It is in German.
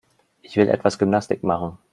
Ich will etwas Gymnastik machen.